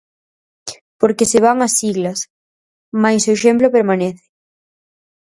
Porque se van as siglas, mais o exemplo permanece.